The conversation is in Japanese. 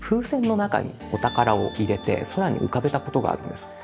船の中にお宝を入れて空に浮かべたことがあるんです。